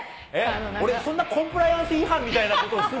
俺、そんなコンプライアンス違反みたいなことする？